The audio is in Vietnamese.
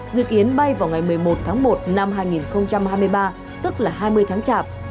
dự kiến bay vào ngày một mươi một tháng một năm hai nghìn hai mươi ba tức là hai mươi tháng chạp